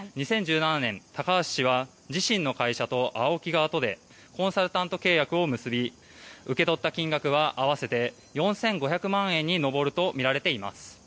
２０１７年高橋氏は自身の会社とＡＯＫＩ側とでコンサルタント契約を結び受け取った金額は合わせて４５００万円に上るとみられています。